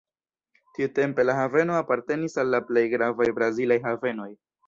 Tiutempe la haveno apartenis al la plej gravaj brazilaj havenoj.